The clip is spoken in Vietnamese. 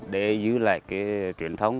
để giữ lại cái truyền thống